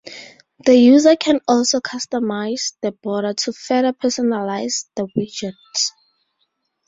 The user can also customize the border to further personalize the widgets.